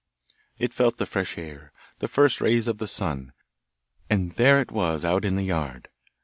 It felt the fresh air, the first rays of the sun, and there it was out in the yard!